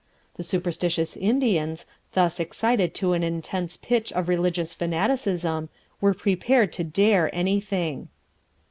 The superstitious Indians, thus excited to an intense pitch of religious fanaticism, were prepared to dare anything.